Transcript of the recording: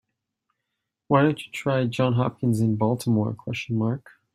Why don't you try Johns Hopkins in Baltimore?